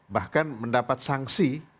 bahkan mendapat sanksi